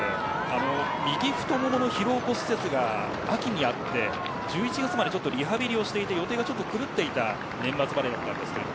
右太ももの疲労骨折が秋にあって１１月までリハビリをして予定が狂っていた年末だったそうです。